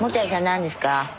何ですか？